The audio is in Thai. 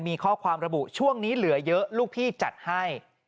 มีข้อความระบุช่วงนี้เหลือเยอะลูกพี่จัดให้